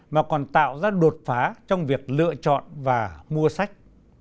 mà còn tạo ra đột phá trong việc lựa chọn và mua sách